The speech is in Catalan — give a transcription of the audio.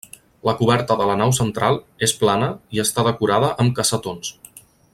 La coberta de la nau central és plana i està decorada amb cassetons.